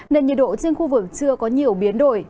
nền nhiệt độ trên khu vực chưa có nhiều biến đổi